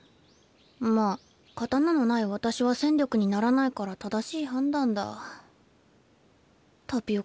まあ刀のない私は戦力にならないからあっ。